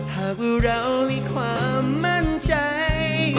หากว่าเรามีความมั่นใจ